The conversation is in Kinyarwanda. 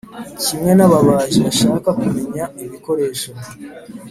kimwe n'ababaji bashaka kumenya ibikoresho.